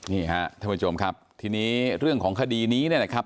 นี่ฮะท่านผู้ชมครับทีนี้เรื่องของคดีนี้เนี่ยนะครับ